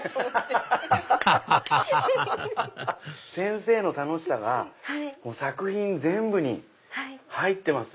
アハハハ先生の楽しさが作品全部に入ってます。